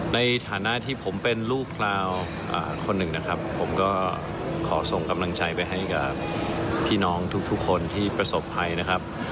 ในฐานะที่ผมเป็นลูกราวคนหนึ่งนะครับผมก็ขอส่งกำลังใจไปให้กับพี่น้องทุกคนที่ประสบภัยนะครับ